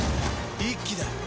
一気だ。